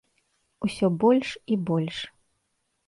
Усё больш і больш.